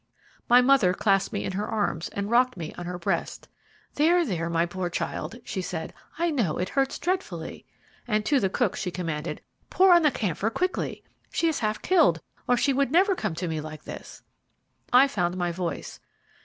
My mother clasped me in her arms, and rocked me on her breast. "There, there, my poor child," she said, "I know it hurts dreadfully!" And to the cook she commanded, "Pour on camphor quickly! She is half killed, or she never would come to me like this." I found my voice.